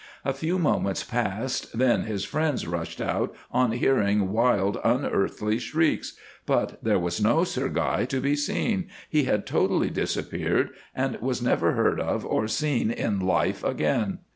A few moments passed then his friends rushed out on hearing wild unearthly shrieks, but there was no Sir Guy to be seen, he had totally disappeared, and was never heard of or seen in life again.